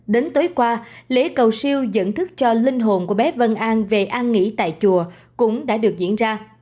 đến tối qua lễ cầu siêu dẫn thức cho linh hồn của bé vân an về an nghỉ tại chùa cũng đã được diễn ra